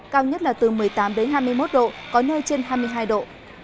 cao nhất là từ một mươi tám đến hai mươi một độ có nơi trên hai mươi hai độ